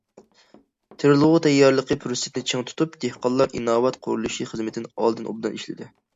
تېرىلغۇ تەييارلىقى پۇرسىتىنى چىڭ تۇتۇپ، دېھقانلار ئىناۋەت قۇرۇلۇشى خىزمىتىنى ئالدىن ئوبدان ئىشلىدى.